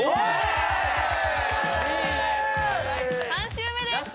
３周目です！